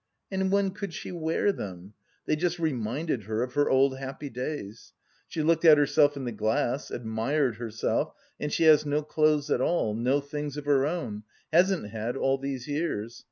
And when could she wear them? They just reminded her of her old happy days. She looked at herself in the glass, admired herself, and she has no clothes at all, no things of her own, hasn't had all these years!